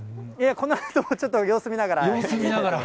このあと、ちょっと様子見ながらですが。